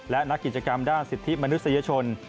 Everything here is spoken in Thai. และนักกิจกรรมด้านสิทธิมนุษยชน